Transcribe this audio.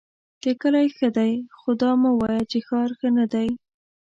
که کلی ښۀ دی خو دا مه وایه چې ښار ښۀ ندی!